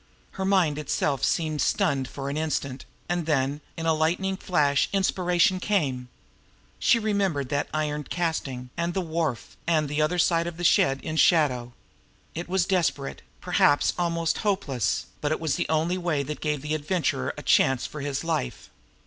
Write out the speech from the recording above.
Her mind itself seemed stunned for an instant and then, in a lightning flash, inspiration came. She remembered that iron casting, and the wharf, and the other side of the shed in shadow. It was desperate, perhaps almost hopeless, but it was the only way that gave the Adventurer a chance for his life.